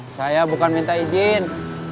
saya bukan minta izin